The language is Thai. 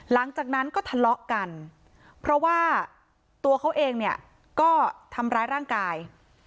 หลังจากนั้นก็ทะเลาะกันเพราะว่าตัวเขาเองเนี่ยก็ทำร้ายร่างกาย